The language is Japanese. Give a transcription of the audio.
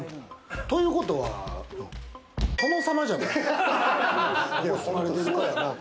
ということは、殿様じゃない？